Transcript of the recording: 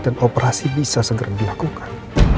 dan operasi bisa segera dilakukan